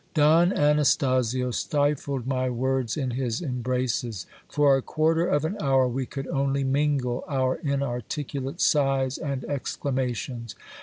Don Anastasio stifled my words in his embraces. For a quarter of an hour we could only mingle our inarticulate sighs and exclamations.